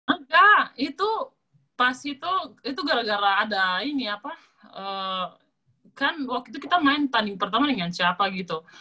engga itu pas itu gara gara ada ini apa kan waktu itu kita main tanim pertama dengan ciapa gitu